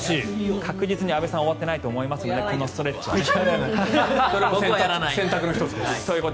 確実に安部さんは終わっていないと思いますのでこのストレッチを。ということで